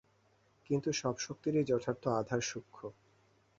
কিন্তু সব শক্তিরই যথার্থ আধার সূক্ষ্ম।